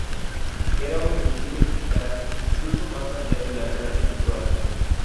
Era un misil eficaz incluso más allá del alcance visual.